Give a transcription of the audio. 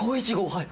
はい。